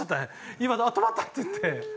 「井端止まった」っていって。